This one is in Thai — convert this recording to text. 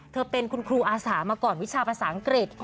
เธอเป็นคุณครูอาสามาก่อนวิชาภาษาอังกฤษ